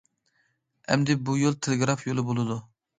ئەمدى بۇ يول تېلېگراف يولى بولىدۇ.